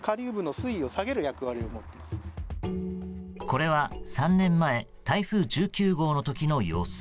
これは３年前台風１９号の時の様子。